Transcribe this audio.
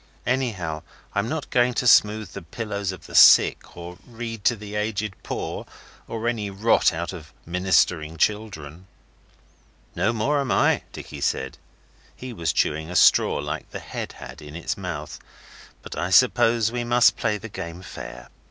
Anyhow I'm not going to smooth the pillows of the sick, or read to the aged poor, or any rot out of Ministering Children.' 'No more am I,' Dicky said. He was chewing a straw like the head had in its mouth, 'but I suppose we must play the game fair.